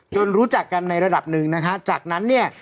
รู้จักกันในระดับหนึ่งนะคะจากนั้นเนี่ย